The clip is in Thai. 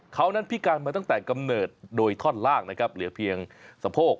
เขานั้นพิการมาตั้งแต่กำเนิดโดยท่อนล่างนะครับเหลือเพียงสะโพก